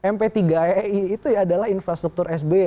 mp tiga ei itu adalah infrastruktur sby